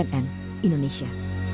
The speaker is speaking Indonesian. meliputan cnn indonesia